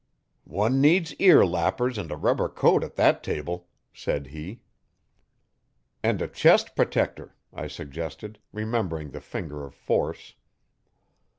'One needs ear lappers and a rubber coat at that table,' said he. 'And a chest protector,' I suggested, remembering the finger of Force.